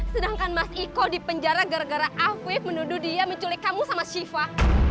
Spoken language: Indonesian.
sedangkan mas iko dipenjara gara gara afif menuduh dia menculik kamu sama syifa